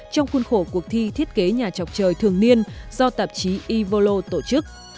trong khuôn khổ cuộc thi thiết kế nhà chọc chơi thường niên do tạp chí evolo tổ chức